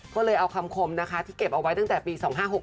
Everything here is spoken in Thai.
ก็เลยเอาคำคมนะคะที่เก็บเอาไว้ตั้งแต่ปี๒๕๖๖